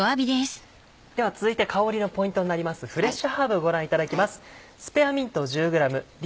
では続いて香りのポイントになりますフレッシュハーブご覧いただきます。